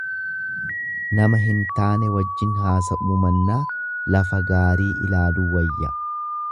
Nama hin taane wajjin haasa'uu mannaa, lafa gaarii ilaaluu wayya.